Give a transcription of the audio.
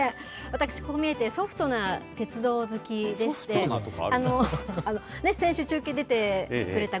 私、こう見えて、ソフトな鉄道好きでして、先週、中継に出てくれた、